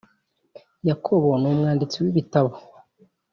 Yakobo numwanditsi wibitabo.